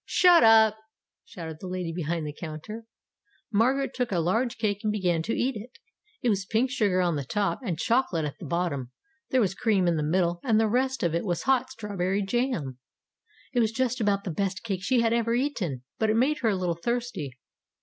"Shut up !" shouted the lady behind the counter. Margaret took a large cake and began to eat it. It was pink sugar on the top and chocolate at the bot tom, there was cream in the middle, and the rest of it was hot strawberry jam. It was just about the best cake she had ever eaten, but it made her a little thirsty.